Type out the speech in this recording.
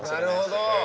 なるほど。